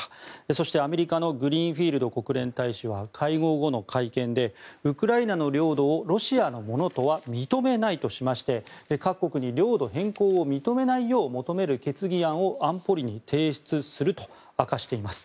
そして、アメリカのグリーンフィールド国連大使は会合後の会見でウクライナの領土をロシアのものとは認めないとしまして各国に領土変更を認めないよう求める決議案を安保理に提出すると明かしています。